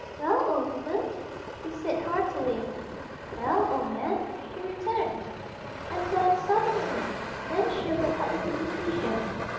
"Well, old woman!" he said heartily. "Well, old man!" she returned. And then suddenly, Nan Sherwood had a new vision.